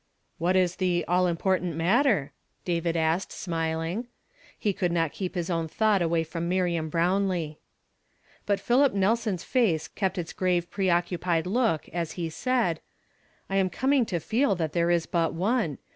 " What is the ' all important matter '?" David asked, smiling. He could not keep his own thought away from Miriam Brownlee. But Philip Nelson's face kept its gr ive pre occupied look, as he said :" I am coming to feel that there is but one.